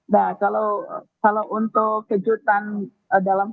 nah kalau untuk kejadian